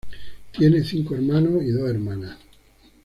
Tiene cinco hermanos y dos hermanas.